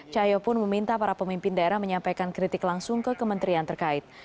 cahyo pun meminta para pemimpin daerah menyampaikan kritik langsung ke kementerian terkait